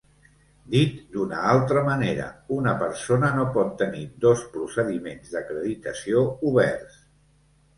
Dit d'una altra manera, una persona no pot tenir dos procediments d'acreditació oberts.